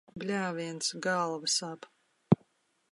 Bļāviens, galva sāp.